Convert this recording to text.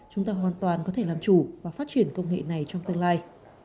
chúng ta hoàn toàn có thể làm chủ và phát triển công nghệ này trong tương lai